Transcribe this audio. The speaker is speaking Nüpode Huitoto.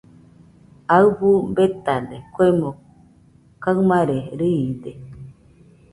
Aɨfɨ betade, kuemo kaɨmare riide.